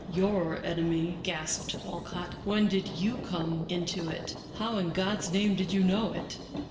" Your enemy? " gasped Walcott. " When did you come into it? How in God's name did you know it?